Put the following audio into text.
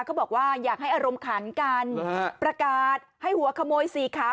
เขาบอกว่าอยากให้อารมณ์ขันกันประกาศให้หัวขโมยสีขาว